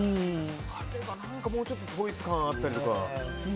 あれが何か、もうちょっと統一感あったりとか。